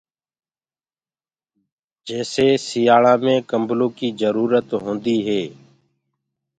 جيسي سيآݪآ مي ڪمبلو ڪيٚ جرورت هونديٚ هي